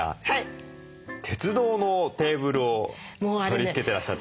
鉄道のテーブルを取り付けてらっしゃって。